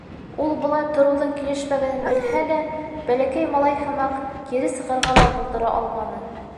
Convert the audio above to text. Ул былай тороуҙың килешмәгәнен белһә лә, бәләкәй малай һымаҡ, кире сығырға ла булдыра алманы.